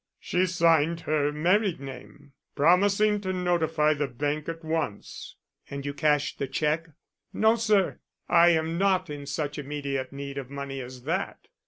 "She signed her married name promising to notify the bank at once." "And you cashed the check?" "No, sir; I am not in such immediate need of money as that.